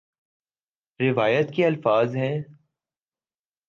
روایت کے الفاظ ہیں